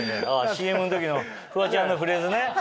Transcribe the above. ＣＭの時のフワちゃんのフレーズね。